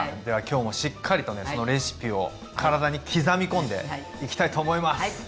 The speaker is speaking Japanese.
では今日もしっかりとねそのレシピを体に刻み込んでいきたいと思います！